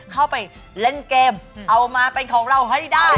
เข้าไปเล่นเกมเอามาเป็นของเราให้ได้